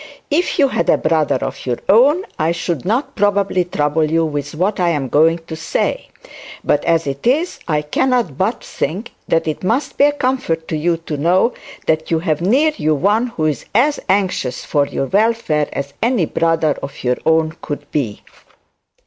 'If you had a brother of your own I should not probably trouble you with what I am going to say. But as it is I cannot but think that it must be a comfort to you to know that you have near you one who is as anxious for your welfare as any brother of your own could be.'